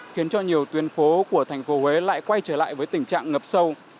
khiến cho nhiều tuyến phố của tp huế lại quay trở lại với tình trạng ngập sâu